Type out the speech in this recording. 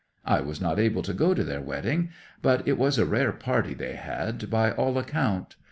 I was not able to go to their wedding, but it was a rare party they had, by all account.